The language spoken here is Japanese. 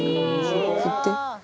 振って。